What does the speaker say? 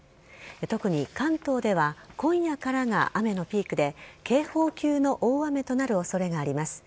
特に関東では今夜からが雨のピークで警報級の大雨となる恐れがあります。